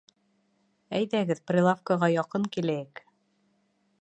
Әйҙәгеҙ, прилавкаға яҡын киләйек